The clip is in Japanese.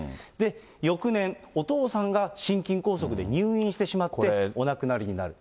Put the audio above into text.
翌年、お父さんが心筋梗塞で入院してしまってお亡くなりになる。